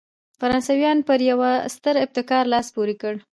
فرانسویانو پر یوه ستر ابتکار لاس پورې کړ.